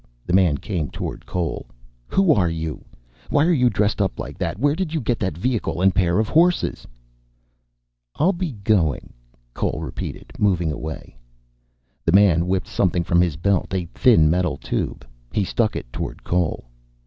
The man came toward Cole. "Who are you? Why are you dressed up like that? Where did you get that vehicle and pair of horses?" "I'll be going," Cole repeated, moving away. The man whipped something from his belt, a thin metal tube. He stuck it toward Cole.